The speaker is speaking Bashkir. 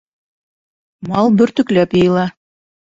Мал бөртөкләп йыйыла.